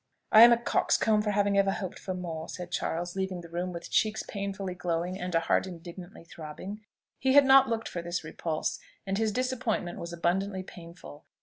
"I am a coxcomb for having ever hoped for more," said Charles, leaving the room with cheeks painfully glowing and a heart indignantly throbbing. He had not looked for this repulse, and his disappointment was abundantly painful.